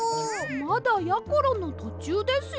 まだやころのとちゅうですよ。